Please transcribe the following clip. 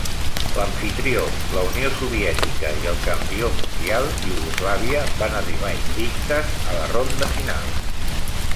L'amfitrió, la Unió Soviètica i el campió mundial, Iugoslàvia, van arribar invictes a la ronda final.